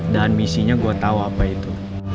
dan misinya gua tahu apa itu